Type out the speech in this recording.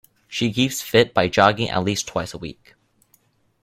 She keeps fit by jogging at least twice a week.